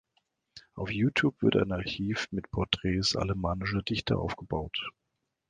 Auf Youtube wird ein Archiv mit Porträts alemannischer Dichter aufgebaut.